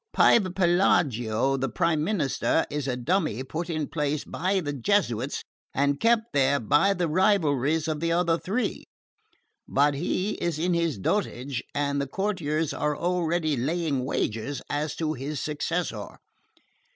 Pievepelago, the Prime Minister, is a dummy put in place by the Jesuits and kept there by the rivalries of the other three; but he is in his dotage and the courtiers are already laying wagers as to his successor.